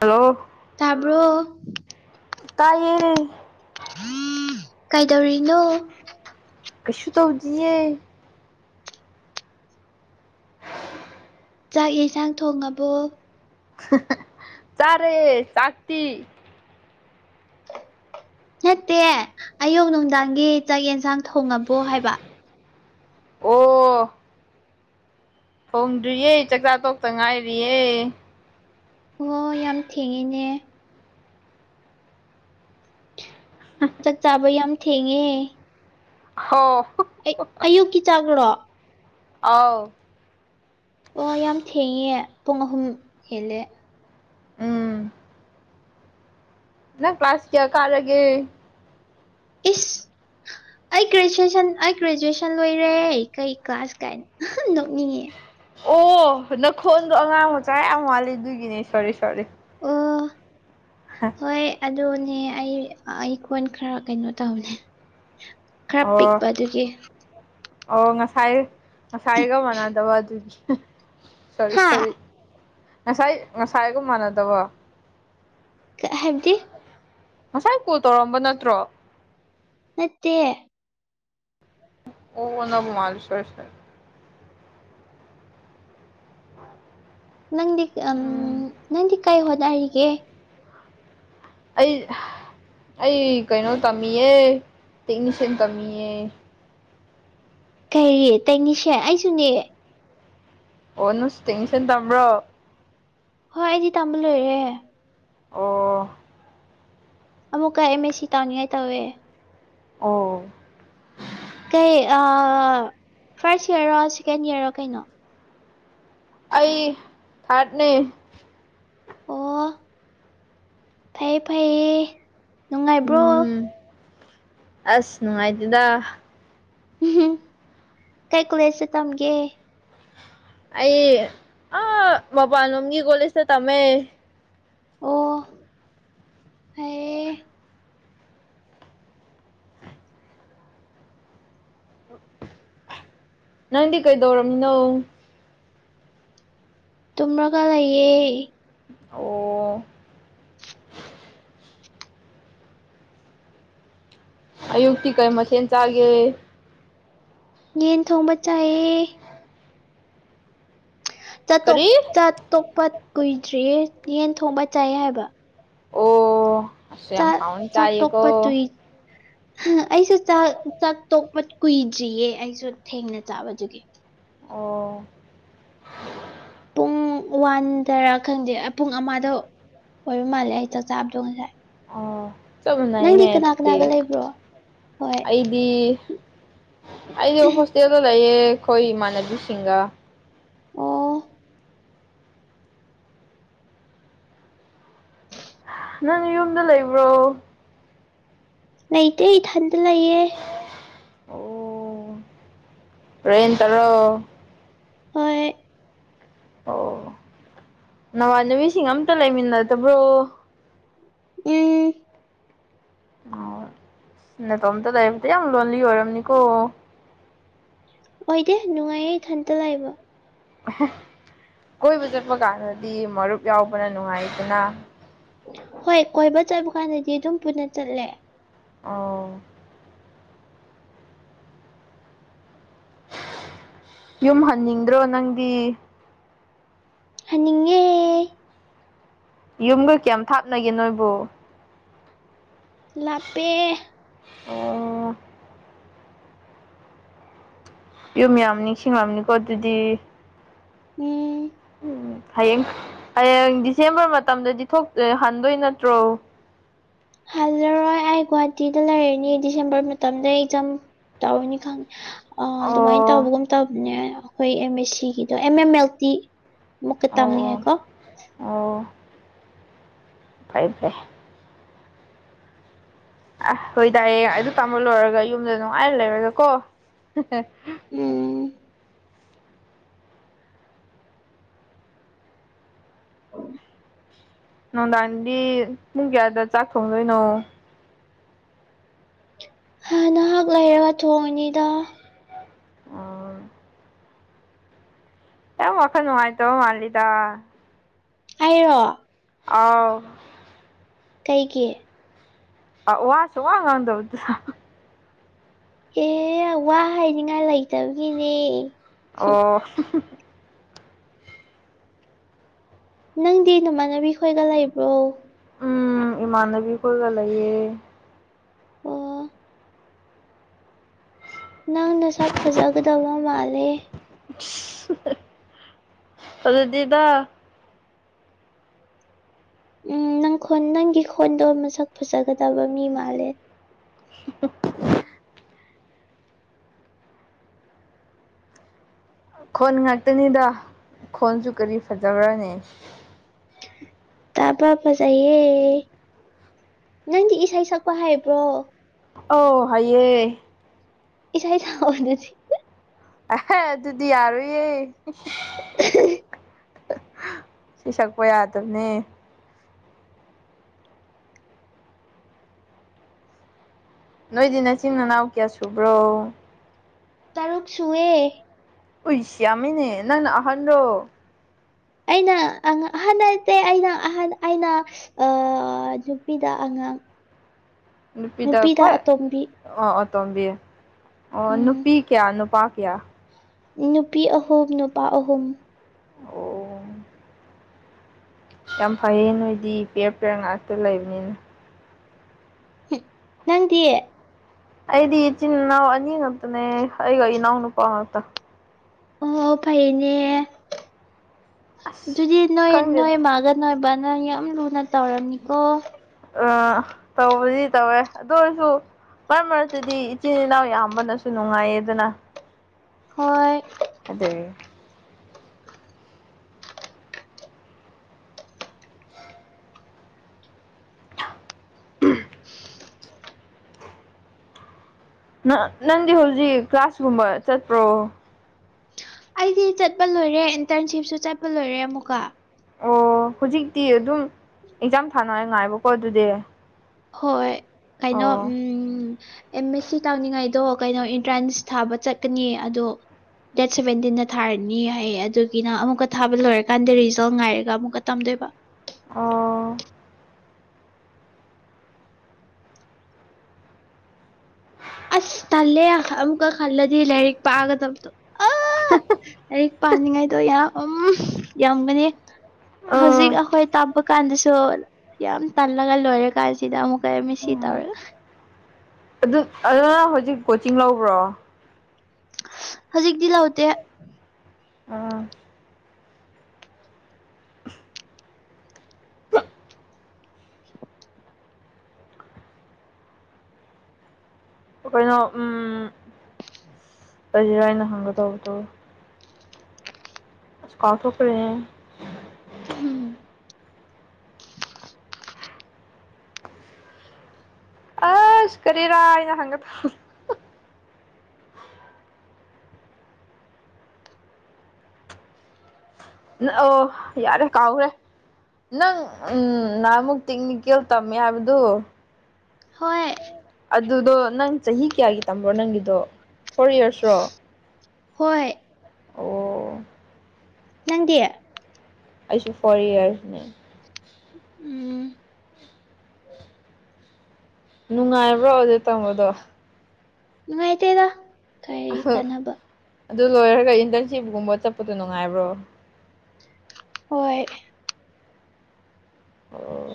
hello ꯇꯥꯕ꯭ꯔꯣ ꯇꯥꯏꯌꯦ ꯀꯩꯗꯧꯔꯤꯅꯣ ꯀꯩꯁꯨ ꯇꯧꯗꯤꯌꯦ ꯆꯥꯛ ꯌꯦꯟꯁꯥꯡ ꯊꯣꯡꯉꯕꯣ ꯆꯥꯔꯦ ꯆꯥꯛꯇꯤ ꯅꯠꯇꯦ ꯑꯌꯨꯛ ꯅꯨꯡꯗꯥꯡꯒꯤ ꯆꯥꯛ ꯌꯦꯟꯁꯥꯡ ꯊꯣꯡꯉꯕꯣ ꯍꯥꯏꯕ ꯑꯣ ꯊꯣꯡꯗ꯭ꯔꯤꯌꯦ ꯆꯥꯛꯆꯥ ꯇꯣꯛꯇ ꯉꯥꯏꯔꯤꯌꯦ ꯑꯣ ꯌꯥꯝ ꯊꯦꯡꯉꯤꯅꯦ ꯆꯥꯛ ꯆꯥꯕ ꯌꯥꯝ ꯊꯦꯡꯉꯦꯍꯦ ꯍꯣ ꯑꯩ ꯑꯌꯨꯛꯀꯤ ꯆꯥꯛꯂꯣ ꯑꯧ ꯑꯣ ꯌꯥꯝ ꯊꯦꯡꯉꯦ ꯄꯨꯡ ꯑꯍꯨꯝ ꯍꯦꯜꯂꯦ ꯎꯝ ꯅꯪ ꯀ꯭ꯂꯥꯁ ꯀꯌꯥ ꯀꯥꯔꯒꯦ ꯏꯁ ꯑꯩ ꯒ꯭ꯔꯦꯖꯨꯑꯦꯁꯟ ꯑꯩ ꯒ꯭ꯔꯦꯖꯨꯑꯦꯁꯟ ꯂꯣꯏꯔꯦ ꯀꯩ ꯀ꯭ꯂꯥꯁ ꯀꯥꯏꯅ ꯅꯣꯛꯅꯤꯡꯉꯦ ꯑꯣ ꯅꯈꯣꯟꯗꯣ ꯑꯉꯥꯡ ꯃꯆꯥ ꯌꯥꯝ ꯃꯥꯟꯂꯤ ꯑꯗꯨꯒꯤꯅꯦ ꯁꯣꯔꯤ ꯁꯣꯔꯤ ꯑꯣ ꯍꯣꯏ ꯑꯗꯨꯅꯦ ꯑꯩ ꯑꯩ ꯈꯣꯟ ꯈꯔ ꯀꯩꯅꯣ ꯇꯧꯕꯅꯦ ꯈꯔ ꯑꯣ ꯄꯤꯛꯄ ꯑꯗꯨꯒꯤ ꯑꯣ ꯉꯁꯥꯏ ꯉꯁꯥꯏꯒ ꯃꯥꯟꯅꯗꯕ ꯑꯗꯨꯒꯤ ꯁꯣꯔꯤ ꯍꯥ ꯁꯣꯔꯤ ꯉꯁꯥꯏ ꯉꯁꯥꯏꯒꯨꯝ ꯃꯥꯟꯅꯗꯕ ꯀ ꯍꯥꯏꯕꯗꯤ ꯉꯁꯥꯏ ꯀꯣꯜ ꯇꯧꯔꯛꯑꯝꯕ ꯅꯠꯇ꯭ꯔꯣ ꯅꯠꯇꯦ ꯑꯣ ꯑꯣꯟꯅꯕ ꯃꯥꯜ ꯁꯣꯏꯔꯦ ꯁꯣꯏꯔꯦ [inaudible] ꯅꯪꯗꯤ ꯑꯝ ꯎꯝ ꯅꯪꯗꯤ ꯀꯩ ꯍꯣꯠꯅꯔꯤꯒꯦ ꯑꯩ ꯑꯩ ꯀꯩꯅꯣ ꯇꯝꯃꯤꯌꯦ ꯇꯦꯛꯅꯤꯁꯤꯌꯥꯟ ꯇꯝꯃꯤꯌꯦ ꯀꯩ ꯇꯩꯅꯤꯁꯦ ꯑꯩꯁꯨꯅꯦ ꯑꯣꯅꯪꯁꯨ ꯇꯦꯛꯅꯤꯁꯥꯟ ꯇꯝꯕ꯭ꯔꯣ ꯍꯣꯏ ꯑꯩꯗꯤ ꯇꯝꯕ ꯂꯣꯏꯔꯦ ꯑꯣ ꯑꯃꯨꯛꯀ ꯑꯦꯝ ꯃꯦ ꯁꯤ ꯇꯧꯅꯤꯡꯉꯥꯏ ꯇꯧꯋꯦ ꯑꯣ ꯀꯩ ꯑꯥ ꯐꯥꯔꯁ ꯏꯌꯥꯔꯣ ꯁꯦꯀꯦꯟ ꯏꯌꯥꯔꯣ ꯀꯩꯅꯣ ꯑꯩ ꯊꯥꯔꯠꯅꯦ ꯑꯣ ꯐꯩ ꯐꯩꯌꯦ ꯅꯨꯡꯉꯥꯏꯕ꯭ꯔꯣ ꯎꯝ ꯑꯁ ꯅꯨꯡꯉꯥꯏꯇꯦꯗ ꯎꯍꯨꯝ ꯀꯩ ꯀꯣꯂꯦꯖꯇ ꯇꯝꯒꯦ ꯑꯩ ꯑ ꯃꯄꯥꯜꯂꯣꯝꯒꯤ ꯀꯣꯂꯦꯖꯗ ꯇꯝꯃꯦ ꯑꯣ ꯍꯩ ꯅꯪꯗꯤ ꯀꯩꯗꯧꯔꯝꯃꯤꯅꯣ ꯇꯨꯝꯔꯒ ꯂꯩꯌꯦ ꯑꯣ ꯑꯣ ꯑꯌꯨꯛꯇꯤ ꯀꯩ ꯃꯊꯦꯟ ꯆꯥꯒꯦ ꯌꯦꯟ ꯊꯣꯡꯕ ꯆꯥꯏꯑꯦ ꯆꯥꯛ ꯇꯣꯛ ꯀꯔꯤ ꯆꯥ ꯇꯣꯛꯄ ꯀꯨꯏꯗ꯭ꯔꯤꯌꯦ ꯌꯦꯟ ꯊꯣꯡꯕ ꯆꯥꯏꯌꯦ ꯍꯥꯏꯕ ꯑꯣ ꯑꯁ ꯌꯥꯝ ꯆꯥꯛ ꯍꯥꯎꯅ ꯆꯥꯌꯦꯀꯣ ꯍꯥ ꯑꯩꯁꯨ ꯆꯥꯛ ꯆꯥꯛ ꯇꯣꯛꯄ ꯀꯨꯏꯗ꯭ꯔꯤꯌꯦ ꯑꯩꯁꯨ ꯊꯦꯡꯅ ꯆꯥꯕꯗꯨꯒꯤ ꯑꯣ ꯄꯨꯡ ꯋꯥꯟ ꯗꯔꯥ ꯈꯪꯗꯦ ꯄꯨꯡ ꯑꯃꯗ ꯑꯣꯏꯕ ꯃꯥꯜꯂꯦ ꯑꯩ ꯆꯥꯛ ꯆꯥꯕꯗꯣ ꯉꯁꯥꯏ ꯑꯣ ꯆꯞ ꯅꯪꯗꯤ ꯃꯅꯩꯅꯦ ꯀꯅꯥ ꯑꯗꯨꯗꯤ ꯀꯅꯥꯒ ꯂꯩꯕ꯭ꯔꯣ ꯍꯣꯏ ꯑꯩꯗꯤ ꯑꯩꯁꯨ ꯍꯣꯁꯇꯦꯜꯗ ꯂꯩꯌꯦ ꯑꯩꯈꯣꯏ ꯏꯃꯥꯟꯅꯕꯤꯁꯤꯡꯒ ꯑꯣ ꯅꯪ ꯅꯌꯨꯝꯗ ꯂꯩꯕ꯭ꯔꯣ ꯂꯩꯇꯦ ꯏꯊꯟꯗ ꯂꯩꯌꯦ ꯑꯣ ꯔꯦꯟꯇꯔꯣ ꯍꯣꯏ ꯑꯣ ꯅꯃꯥꯟꯅꯕꯤꯁꯤꯡ ꯑꯝꯇ ꯂꯩꯃꯤꯟꯅꯗꯕ꯭ꯔꯣ ꯎꯝ ꯑꯣ ꯅꯇꯣꯝꯇ ꯂꯩꯕꯗꯤ ꯌꯥꯝ ꯂꯣꯟꯂꯤ ꯑꯣꯏꯔꯝꯅꯤꯀꯣ ꯑꯣꯏꯗꯦ ꯅꯨꯡꯉꯥꯏꯌꯦ ꯏꯊꯟꯇ ꯂꯩꯕ ꯑꯦꯍꯦ ꯀꯣꯏꯕ ꯆꯠꯄ ꯀꯥꯟꯗꯗꯤ ꯃꯔꯨꯞ ꯌꯥꯎꯕꯅ ꯅꯨꯡꯉꯥꯏꯗꯅ ꯍꯣꯏ ꯀꯣꯏꯕ ꯆꯠꯄ ꯀꯥꯟꯗꯗꯤ ꯑꯗꯨꯝ ꯄꯨꯟꯅ ꯆꯠꯂꯦ ꯑꯥꯎ ꯌꯨꯝ ꯍꯟꯅꯤꯡꯗ꯭ꯔꯣ ꯅꯪꯗꯤ ꯍꯟꯅꯤꯡ ꯌꯨꯝꯒ ꯀꯌꯥꯝ ꯊꯥꯞꯅꯒꯦ ꯅꯣꯏꯕꯨ ꯂꯥꯞꯄꯦ ꯑꯣ ꯌꯨꯝ ꯌꯥꯝ ꯅꯤꯡꯁꯤꯡꯉꯝ ꯅꯤꯀꯣ ꯑꯗꯨꯗꯤ ꯎꯝ ꯍꯌꯦꯡ ꯍꯌꯦꯡ ꯗꯤꯁꯦꯝꯕꯔ ꯃꯇꯝꯗꯗꯤ ꯊꯣꯛ ꯍꯟꯗꯣꯏ ꯅꯠꯇ꯭ꯔꯣ ꯍꯜꯂꯔꯣꯏ ꯑꯩ ꯒꯨꯍꯥꯇꯤꯗ ꯂꯩꯔꯅꯤ ꯗꯤꯁꯦꯝꯕꯔ ꯃꯇꯝꯗꯩ ꯏꯆꯝ ꯇꯧꯕꯅꯤ ꯈꯪ ꯑ ꯑꯗꯨꯃꯥꯏꯅ ꯑꯣ ꯇꯧꯕꯒꯨꯝ ꯇꯕꯅꯦ ꯑꯩꯈꯣꯏ ꯑꯦꯝ ꯃꯦ ꯁꯤꯒꯤꯗꯣ ꯑꯦꯝ ꯑꯦꯝ ꯃꯦꯜ ꯇꯤ ꯃꯨꯛꯀ ꯑꯣ ꯇꯥꯝꯅꯤꯡꯉꯦꯀꯣ ꯑꯣ ꯐꯩ ꯐꯩ ꯑ ꯍꯣꯏ ꯗꯥ ꯌꯦꯡ ꯑꯩꯗ ꯇꯥꯝꯕ ꯂꯣꯏꯔꯒ ꯌꯨꯝꯗ ꯅꯨꯡꯉꯥꯏꯔ ꯂꯩꯔꯔ ꯀꯣ ꯎꯝ ꯅꯨꯡꯗꯥꯡꯗꯤ ꯄꯨꯡ ꯀꯌꯥꯗ ꯆꯥꯛ ꯊꯣꯡꯗꯣꯏꯅꯣ ꯍ ꯅꯍꯥꯛ ꯂꯩꯔꯒ ꯊꯣꯡꯉꯅꯤꯗ ꯎꯝ ꯌꯥꯝ ꯋꯥꯈꯜ ꯅꯣꯡꯉꯥꯏꯇꯕ ꯃꯥꯂꯤꯗꯥ ꯑꯩꯔꯣ ꯑꯥꯎ ꯀꯩꯒꯤ ꯑ ꯋꯥꯁꯨ ꯋꯥ ꯉꯥꯡꯗꯕꯗꯨ ꯑꯦ ꯋꯥ ꯍꯥꯏꯅꯤꯡꯉꯥꯏ ꯂꯩꯇꯕꯒꯤꯅꯦ ꯑꯣ ꯅꯪꯗꯤ ꯅꯃꯥꯟꯅꯕꯤ ꯈꯣꯏꯒ ꯂꯩꯕ꯭ꯔꯣ ꯎꯝ ꯏꯃꯥꯟꯅꯕꯤ ꯀꯣꯏꯒ ꯂꯩꯌꯦ ꯑꯣ ꯅꯪꯅ ꯁꯛ ꯐꯖꯒꯗꯕ ꯃꯥꯜꯂꯦ ꯐꯖꯗꯦꯗ ꯎꯝ ꯅꯪ ꯈꯣꯟ ꯅꯪꯒꯤ ꯈꯣꯟꯗꯣ ꯃꯁꯛ ꯐꯖꯒꯗꯕ ꯃꯤ ꯃꯥꯜꯂꯦ [unintelligible] ꯈꯣꯟ ꯉꯥꯛꯇꯅꯤꯗ ꯈꯣꯟꯁꯨ ꯀꯔꯤ ꯐꯖꯕ꯭ꯔꯥꯅꯦ ꯇꯥꯕ ꯐꯖꯩꯌꯦ ꯅꯪꯗꯤ ꯏꯁꯩ ꯁꯛꯄ ꯍꯩꯕ꯭ꯔꯣ ꯑꯧ ꯍꯩꯌꯦ ꯢꯁꯩ ꯁꯛꯑꯣ ꯑꯗꯨꯗꯤ ꯑꯦꯍ ꯑꯗꯨꯗꯤ ꯌꯥꯔꯣꯢꯌꯦ [unintelligible] ꯏꯁꯩ ꯁꯛꯄ ꯌꯥꯗꯕꯅꯦ ꯅꯣꯏꯗꯤ ꯅꯆꯤꯟ ꯅꯅꯥꯎ ꯀꯌꯥ ꯁꯨꯕ꯭ꯔꯣ ꯇꯔꯨꯛ ꯁꯨꯋꯦ ꯌꯥꯃꯤꯅꯦ ꯅꯪ ꯅ ꯑꯍꯟꯔꯣ ꯑꯩꯅ ꯑꯍꯟꯠꯇꯦ ꯑꯩꯅ ꯑꯍꯟ ꯑꯩꯅ ꯑ ꯅꯨꯄꯤꯗ ꯑꯉꯥꯡ ꯅꯨꯄꯤꯗ ꯈꯨꯋꯥꯏ ꯑꯣ ꯑꯇꯣꯝꯕꯤ ꯑꯣ ꯎꯝ ꯅꯨꯄꯤ ꯀꯌꯥ ꯅꯨꯄꯥ ꯀꯌꯥ ꯅꯨꯄꯤ ꯑꯍꯨꯝ ꯅꯨꯄꯥ ꯑꯍꯨꯝ ꯑꯣ ꯌꯥꯝ ꯐꯩꯌꯦ ꯅꯣꯏꯗꯤ ꯄꯦꯔ ꯄꯦꯔ ꯉꯥꯛꯇ ꯂꯩꯕꯅꯤꯅ ꯅꯪꯗꯤ ꯑꯩꯗꯤ ꯏꯆꯤꯟ ꯏꯅꯥꯎ ꯑꯅꯤ ꯈꯛꯇꯅꯦ ꯑꯩꯒ ꯏꯅꯥꯎ ꯅꯨꯄꯥ ꯉꯥꯛꯇ ꯑꯣ ꯐꯩꯌꯦꯅꯦ ꯑꯗꯨꯗꯤ ꯅꯣꯏ ꯅꯣꯏ ꯈꯪꯗꯦꯗ ꯃꯥꯒ ꯅꯣꯏ ꯕꯥꯅ ꯌꯥꯝ ꯂꯨꯅ ꯇꯧꯔꯝꯅꯤꯀꯣ ꯑꯥ ꯇꯧꯕꯗꯤ ꯇꯧꯋꯦ ꯑꯗꯨ ꯑꯣꯏꯔꯁꯨ ꯃꯥꯢ ꯃꯔꯛꯇꯗꯤ ꯏꯆꯤꯟ ꯏꯅꯥꯎ ꯌꯥꯝꯕꯅꯁꯨ ꯅꯨꯡꯉꯥꯏꯌꯦꯗꯅ ꯍꯣꯏ ꯑꯗꯨꯒꯤ [inaudible] [unintelligible] ꯅꯪꯗꯤ ꯍꯧꯖꯤꯛ ꯀ꯭ꯂꯥꯁꯀꯨꯝꯕ ꯆꯠꯄ꯭ꯔꯣ ꯑꯩꯗꯤ ꯆꯠꯄ ꯂꯣꯏꯔꯦ ꯏꯟꯇꯔꯟꯁꯤꯞꯁꯨ ꯆꯠꯄ ꯂꯣꯏꯔꯦ ꯑꯃꯨꯛꯀ ꯑꯣ ꯍꯧꯖꯤꯛꯇꯤ ꯑꯗꯨꯝ ꯑꯦꯛꯖꯥꯝ ꯊꯥꯅ ꯉꯥꯏꯕꯀꯣ ꯑꯗꯨꯗꯤ ꯍꯣꯏ ꯀꯩꯅꯣ ꯑꯣ ꯎꯝ ꯑꯦꯝ ꯑꯦꯁ ꯁꯤ ꯇꯧꯅꯤꯡꯉꯥꯏꯗꯣ ꯀꯩꯅꯣ ꯑꯦꯟꯇ꯭ꯔꯥꯟꯁ ꯊꯥꯕ ꯆꯠꯀꯅꯤ ꯑꯗꯣ ꯗꯦꯠ ꯁꯚꯦꯟꯇꯤꯟꯗ ꯊꯥꯔꯅꯤ ꯍꯥꯏꯌꯦ ꯑꯗꯨꯒꯤꯅ ꯑꯃꯨꯛꯀ ꯊꯥꯕ ꯂꯣꯏꯔꯀꯥꯟꯗ ꯔꯤꯖꯜ ꯉꯥꯏꯔꯒ ꯑꯃꯨꯛꯀ ꯇꯝꯗꯣꯏꯕ ꯑꯣ ꯑꯁ ꯇꯜꯂꯦ ꯌꯥꯝ ꯑ ꯑꯃꯨꯛꯀ ꯈꯜꯂꯗꯤ ꯂꯥꯏꯔꯤꯛ ꯄꯥꯒꯗꯕꯗꯣ ꯑꯥ ꯂꯥꯏꯔꯤꯛ ꯄꯥꯅꯤꯡꯉꯥꯏꯗꯣ ꯌꯥꯝ ꯎꯝ ꯌꯥꯝꯒꯅꯤ ꯑꯥ ꯍꯧꯖꯤꯛ ꯑꯩꯈꯣꯏ ꯊꯕꯛ ꯀꯥꯟꯗꯁꯨ ꯌꯥꯝ ꯇꯜꯂꯒ ꯂꯣꯏꯔꯦ ꯀꯥꯟꯁꯤꯗ ꯑꯃꯨꯛ ꯑꯦꯝ ꯃꯦ ꯁꯤ ꯇꯧꯔꯦ ꯑꯗꯣ ꯅꯪ ꯍꯧꯖꯤꯛ ꯀꯣꯆꯤꯡ ꯂꯧꯕ꯭ꯔꯣ ꯍꯧꯖꯤꯛꯇꯤ ꯂꯧꯗꯦ ꯑꯥ ꯀꯩꯅꯣ ꯎꯝ ꯀꯔꯤꯔ ꯑꯩꯅ ꯍꯪꯒꯗꯧꯕꯗꯣ ꯀꯥꯎꯊꯣꯛꯈ꯭ꯔꯦ [unintelligible] ꯑꯁ ꯀꯔꯤꯔꯥ ꯑꯩꯅ ꯍꯪꯒ ꯑꯣ ꯌꯥꯔꯦ ꯀꯥꯎꯒ꯭ꯔꯦ ꯅꯪ ꯅꯍꯥꯟꯃꯨꯛ ꯇꯦꯛꯅꯤꯀꯦꯜ ꯇꯝꯃꯦ ꯍꯥꯏꯕꯗꯨ ꯍꯣꯏ ꯑꯗꯨꯗꯣ ꯅꯪ ꯆꯍꯤ ꯀꯌꯥꯒꯤ ꯇꯝꯕ꯭ꯔꯣ ꯅꯪꯒꯤꯗꯣ ꯐꯣꯔ ꯏꯌꯥꯔꯔꯣ ꯍꯣꯏ ꯑꯣ ꯅꯪꯗꯤ ꯑꯩꯁꯨ ꯐꯣꯔ ꯏꯌꯥꯔꯅꯦ ꯎꯝ ꯅꯨꯡꯉꯥꯏꯕ꯭ꯔꯣ ꯑꯗꯨ ꯇꯝꯕꯗꯣ ꯅꯨꯡꯉꯥꯏꯇꯦꯗ ꯀꯔꯤ ꯀꯥꯟꯅꯕ ꯑꯗꯨ ꯂꯣꯏꯔꯒ ꯏꯟꯇꯔꯟꯁꯤꯞꯀꯨꯝꯕ ꯆꯠꯄꯗꯣ ꯅꯨꯡꯉꯥꯏꯕ꯭ꯔꯣ ꯍꯣꯏ ꯑꯣ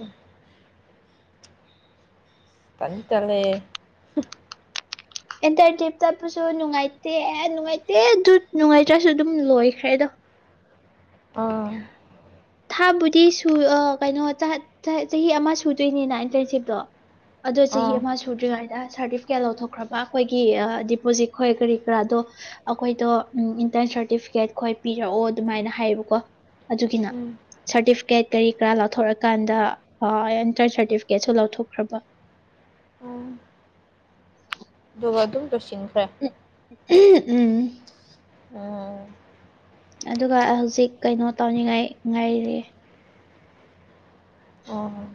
ꯇꯟꯗꯤ ꯇꯜꯂꯦ ꯑꯦꯟꯇꯔꯟꯁꯤꯞ ꯆꯠꯄꯁꯨ ꯅꯨꯡꯉꯥꯏꯇꯦ ꯑꯦ ꯅꯨꯡꯉꯥꯏꯇꯦ ꯑꯗꯨ ꯅꯨꯡꯉꯥꯏꯇ꯭ꯔꯁꯨ ꯑꯗꯨꯝ ꯂꯣꯏꯈ꯭ꯔꯦ ꯑꯗꯣ ꯑꯥ ꯊꯥꯕꯨꯗꯤ ꯁꯨ ꯑ ꯀꯩꯅꯣ ꯆꯍꯥꯠ ꯆꯍꯥꯠ ꯆꯍꯤ ꯑꯃ ꯁꯨꯗꯣꯏꯅꯤꯅ ꯏꯟꯇꯔꯟꯁꯤꯞꯇꯣ ꯑꯗꯣ ꯆꯍꯤ ꯑꯥ ꯑꯃ ꯁꯨ ꯁꯨꯗ꯭ꯔꯤꯉꯩꯗ ꯁꯥꯔꯇꯤꯐꯤꯀꯦꯠ ꯂꯧꯊꯣꯛꯈ꯭ꯔꯥꯕ ꯑꯩꯈꯣꯏꯒꯤ ꯗꯤꯄꯣꯖꯤꯠ ꯈꯣꯏ ꯀꯔꯤ ꯀꯔꯥꯗꯣ ꯑꯩꯈꯣꯏꯗꯣ ꯎꯝ ꯏꯟꯇꯔꯟ ꯁꯥꯔꯇꯤꯐꯤꯀꯦꯠ ꯈꯣꯏ ꯄꯤꯔꯛꯑꯣ ꯑꯗꯨꯃꯥꯏꯅ ꯍꯥꯏꯌꯦꯕꯀꯣ ꯑꯗꯨꯒꯤ ꯎꯝ ꯁꯥꯔꯇꯤꯐꯤꯀꯦꯠ ꯀꯔꯤ ꯀꯔꯥ ꯂꯧꯊꯣꯔꯛꯀꯥꯟꯗ ꯑ ꯏꯟꯇꯔꯟ ꯁꯥꯔꯇꯤꯐꯤꯀꯦꯠꯁꯨ ꯂꯧꯊꯣꯛꯈ꯭ꯔꯥꯕ [inaudible] ꯗꯨꯝ ꯑꯗꯨꯒ ꯑꯗꯨꯝ ꯂꯣꯏꯁꯤꯟꯈ꯭ꯔꯦ ꯎꯝ ꯑꫭ ꯑꯗꯨꯒ ꯍꯧꯖꯤꯛ ꯀꯩꯅꯣ ꯇꯧꯅꯤꯡꯉꯥꯏ ꯉꯥꯏꯔꯤ ꯑꯣ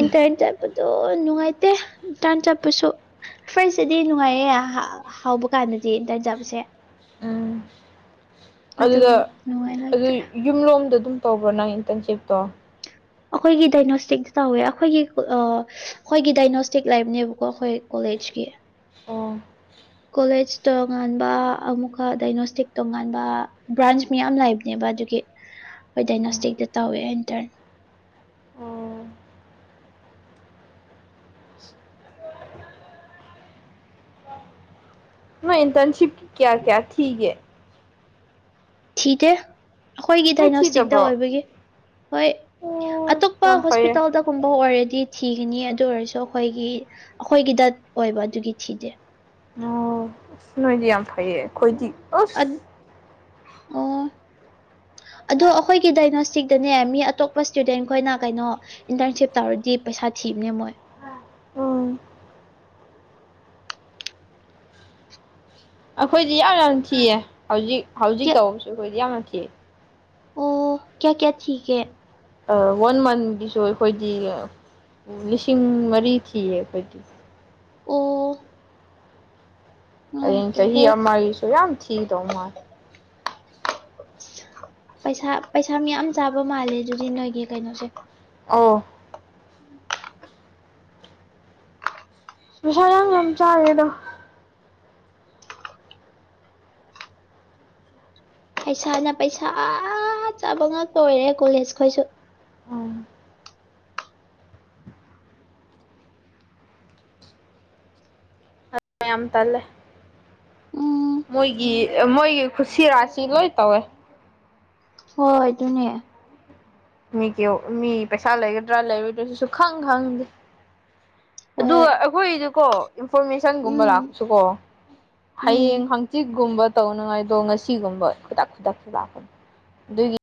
ꯏꯟꯇꯔꯟ ꯆꯠꯄꯗꯣ ꯅꯨꯡꯉꯥꯏꯇꯦ ꯏꯟꯇꯔꯟ ꯆꯠꯄꯁꯨ ꯐꯔꯁꯇꯗꯤ ꯅꯨꯡꯉꯥꯏꯌꯦ ꯍꯥꯎ ꯍꯥꯎꯕ ꯀꯥꯟꯗꯗꯤ ꯗꯥꯏꯠ ꯆꯥꯕꯁꯦ ꯎꯝ ꯑꯗꯨꯗ ꯑꯗꯨꯕꯨ ꯅꯨꯡꯉꯥꯏ ꯑꯗꯨ ꯂꯩꯇ꯭ꯔꯦ ꯌꯨꯝꯂꯣꯝꯗ ꯑꯗꯨꯝ ꯇꯧꯕ꯭ꯔꯣ ꯅꯪ ꯏꯟꯇꯔꯟꯁꯤꯞꯇꯣ ꯑꯩꯈꯣꯏꯒꯤ ꯗꯥꯏꯅꯣꯁꯇꯤꯛ ꯇꯧꯋꯦ ꯑꯩꯈꯣꯏꯒꯤ ꯑ ꯑꯩꯈꯣꯏꯒꯤ ꯗꯥꯏꯅꯣꯁꯇꯤꯛ ꯂꯩꯕꯅꯦꯕꯀꯣ ꯑꯩꯈꯣꯏ ꯀꯣꯂꯦꯖꯀꯤ ꯑꯣ ꯀꯣꯂꯦꯖ ꯇꯣꯉꯥꯟꯕ ꯑꯃꯨꯛꯀ ꯗꯥꯏꯅꯣꯁꯇꯤꯛ ꯇꯣꯉꯥꯟꯕ ꯕ꯭ꯔꯥꯟꯁ ꯃꯌꯥꯝ ꯂꯩ ꯅꯦꯕ ꯑꯗꯨꯒꯤ ꯍꯣꯏ ꯑꯣ ꯗꯥꯏꯅꯣꯁꯇꯤꯛꯇ ꯇꯧꯋꯦ ꯏꯟꯇꯔꯟ ꯑꯣ ꯅꯣꯢ ꯏꯟꯇꯔꯟꯁꯤꯞꯀꯤ ꯀꯌꯥ ꯀꯌꯥ ꯊꯤꯒꯦ ꯊꯤꯗꯦ ꯑꯩꯈꯣꯏꯒꯤ ꯅꯣꯏ ꯗꯥꯏꯅꯣꯁꯇꯤꯛꯇ ꯊꯤꯗꯕ꯭ꯔꯣ ꯑꯣꯏꯕꯒꯤ ꯍꯣꯏ ꯑꯣ ꯑꯇꯣꯞꯄ ꯌꯥꯝ ꯐꯩꯌꯦ ꯍꯣꯁꯄꯤꯇꯥꯜꯗ ꯀꯨꯝꯕ ꯑꯣꯏꯔꯗꯤ ꯊꯤꯒꯅꯤ ꯑꯗꯨ ꯑꯣꯏꯔꯁꯨ ꯑꯩꯈꯣꯏꯒꯤ ꯑꯩꯈꯣꯏꯒꯤꯗ ꯑꯣꯏꯕ ꯑꯗꯨꯒꯤ ꯊꯤꯗꯦ ꯑꯣ ꯅꯣꯏꯗꯤ ꯌꯥꯝ ꯐꯩꯌꯦ ꯑꯈꯣꯏꯗꯤ ꯑꯁ ꯑꯣ ꯑꯗꯣ ꯑꯩꯈꯣꯏꯒꯤ ꯗꯥꯏꯅꯣꯁꯇꯤꯛꯇꯅꯦ ꯃꯤ ꯑꯇꯣꯞꯄ ꯏꯁꯇꯨꯗꯦꯟ ꯈꯣꯏꯅ ꯀꯩꯅꯣ ꯏꯟꯇꯔꯟꯁꯤꯞ ꯇꯧꯔꯗꯤ ꯄꯩꯁꯥ ꯊꯤꯕꯅꯦ ꯃꯣꯏ ꯎꯝ ꯑꯩꯈꯣꯏꯗꯤ ꯌꯥꯝ ꯌꯥꯝ ꯊꯤꯌꯦ ꯍꯧꯖꯤꯛ ꯍꯧꯖꯤꯛ ꯇꯧꯕꯁꯨ ꯑꯩꯈꯣꯏꯗꯤ ꯌꯥꯝ ꯌꯥꯝ ꯊꯤꯌꯦ ꯑꯣ ꯀꯌꯥ ꯀꯌꯥ ꯊꯤꯒꯦ ꯋꯥꯟ ꯃꯟꯊꯒꯤꯁꯨ ꯑꯩꯈꯣꯏꯗꯤ ꯂꯤꯁꯤꯡ ꯃꯔꯤ ꯊꯤꯌꯦ ꯑꯩꯈꯣꯏꯗꯤ ꯑꯣ ꯍꯌꯦꯡ ꯆꯍꯤ ꯅꯨꯡꯉꯥꯏꯇ꯭ꯔꯦꯍꯦ ꯑꯃꯒꯤꯁꯨ ꯌꯥꯝ ꯊꯤꯗꯧ ꯃꯥꯜ ꯄꯩꯁꯥ ꯄꯩꯁꯥ ꯃꯌꯥꯝ ꯆꯥꯕ ꯃꯥꯜꯂꯦ ꯑꯗꯨꯗꯤ ꯅꯣꯏꯒꯤ ꯀꯩꯅꯣꯁꯦ ꯑꯣ ꯄꯩꯁꯥ ꯌꯥꯝ ꯌꯥꯝ ꯆꯥꯢꯌꯦꯗ ꯄꯩꯁꯥꯅ ꯄꯩꯁꯥ ꯆꯥꯕ ꯉꯥꯛꯇ ꯑꯣꯏꯔꯦ ꯀꯣꯂꯦꯖ ꯈꫭꯏꯁꯨ ꯎꯝ ꯃꯌꯥꯝ ꯇꯜꯂꯦ ꯎꯝ ꯃꯣꯏꯒꯤ ꯃꯣꯏꯒꯤ ꯈꯨꯁꯤ ꯔꯥꯁꯤ ꯂꯣꯏ ꯇꯧꯋꯦ ꯍꯣꯏꯗꯨꯅꯦ ꯃꯤꯒꯤ ꯃꯤ ꯄꯩꯁꯥ ꯂꯩꯒꯗ꯭ꯔꯥ ꯂꯩꯔꯣꯏꯗ꯭ꯔꯥ ꯁꯤꯁꯨ ꯁꯨꯈꯪ ꯈꯪꯗꯦ ꯑꯗꯨ ꯍꯣꯏ ꯑꯩꯈꯣꯏꯁꯨꯀꯣ ꯏꯟꯐꯣꯔꯃꯦꯁꯟꯒꯨꯝꯕ ꯎꯝ ꯂꯥꯛꯄꯁꯨꯀꯣ ꯎꯝ ꯍꯌꯦꯡ ꯍꯪ ꯆꯤꯠꯒꯨꯝꯕ ꯇꯧꯅꯉꯥꯏꯗꯣ ꯉꯁꯤꯒꯨꯝꯕ ꯈꯨꯗꯛ ꯈꯨꯗꯛꯇ ꯂꯥꯛꯄꯅꯤ ꯑꯗꯨꯒꯤ